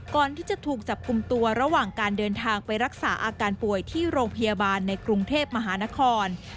ก่อนที่จะถูกจับกลุ่มตัวระหว่างการเดินทางไปรักษาอาการป่วยที่โรงพยาบาลในกรุงเทพมหานคร